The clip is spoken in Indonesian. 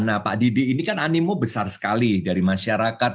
nah pak didi ini kan animo besar sekali dari masyarakat